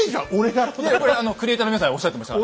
いえこれクリエーターの皆さんおっしゃってました。